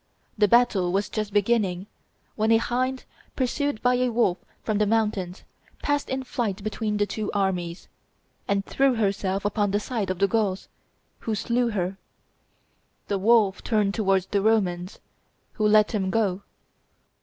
The battle was just beginning, when a hind, pursued by a wolf from the mountains, passed in flight between the two armies, and threw herself upon the side of the Gauls, who slew her; the wolf turned towards the Romans, who let him go.